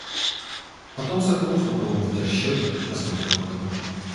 Потом Соколов рукавом вытер щеки и посмотрел в окно,